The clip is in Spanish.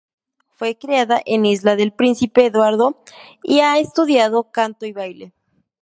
Fue criada en Isla del Príncipe Eduardo y ha estudiado canto y baile.